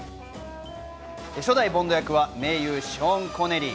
初代ボンド役は盟友ショーン・コネリー。